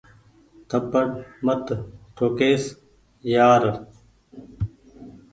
ٿپڙ مت ٺو ڪيس يآر۔